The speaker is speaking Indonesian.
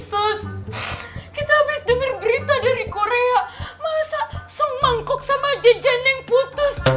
sus kita abis dengar berita dari korea masa se mangkok sama jenjen yang putus iya kan